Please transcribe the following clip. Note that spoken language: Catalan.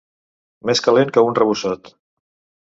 Més calent que un rabosot.